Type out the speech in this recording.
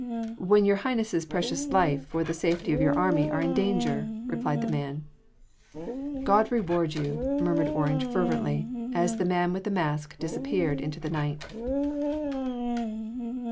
"When your Highness’ precious life or the safety of your army are in danger," replied the man. "God reward you!" murmured Orange fervently as the man with the mask disappeared into the night.